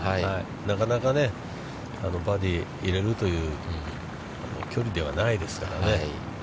なかなかバーディーを入れるという距離ではないですからね。